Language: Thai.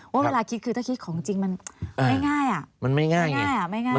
ว่าเวลาคิดคือถ้าคิดของจริงมันไม่ง่ายน่ะ